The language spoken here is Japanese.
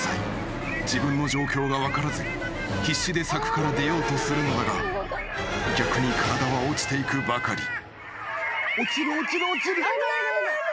［自分の状況が分からず必死で柵から出ようとするのだが逆に体は落ちていくばかり］